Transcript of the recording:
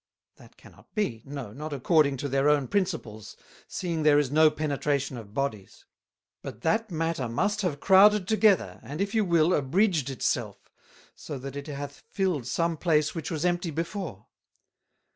That cannot be, no not according to their own Principles, seeing there is no Penetration of Bodies: But that matter must have crowded together, and if you will, abridged it self, so that it hath filled some place which was empty before.